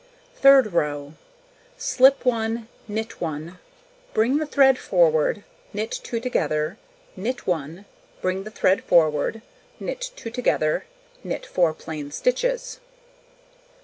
Third row: Slip 1, knit 1, bring the thread forward, knit 2 together, knit 1, bring the thread forward, knit 2 together, knit 4 plain stitches.